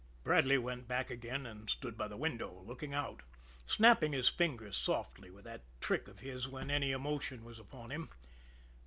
Bradley went back again and stood by the window, looking out, snapping his fingers softly with that trick of his when any emotion was upon him.